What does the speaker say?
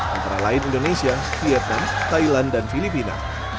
antara lain indonesia vietnam thailand dan filipina